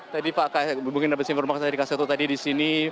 tadi pak kak mungkin dapat simpul maksat dari kak seto tadi di sini